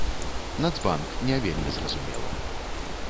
Нацбанк, не вельмі зразумела.